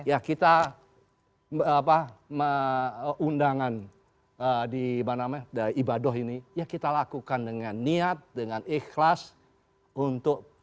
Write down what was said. ya kita undangan di ibadah ini ya kita lakukan dengan niat dengan ikhlas untuk